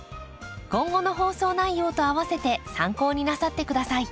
今後の放送内容とあわせて参考になさって下さい。